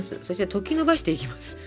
そして溶きのばしていきます。